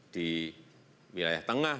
di wilayah tengah